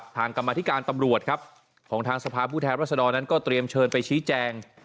ทางกรรมาทิการตำรวจของทางสภาพผู้แท้วราษนอนั้นก็เตรียมเชิญไปชี้แจง